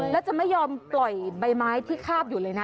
แล้วจะไม่ยอมปล่อยใบไม้ที่คาบอยู่เลยนะ